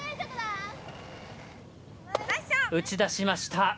打ち出しました。